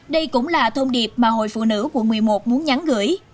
đây cũng là thông điệp mà hội phụ nữ quận một mươi một muốn nhắn gửi